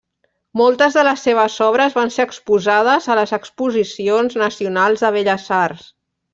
Moltes de les seves obres van ser exposades a les Exposicions Nacionals de Belles Arts.